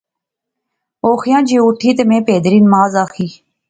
اُوخیاں جے اٹھی تہ میں پھیدری نماز آخی